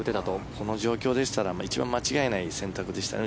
この状況でしたら一番間違いない選択でしたね。